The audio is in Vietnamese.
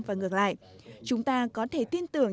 và ngược lại chúng ta có thể tin tưởng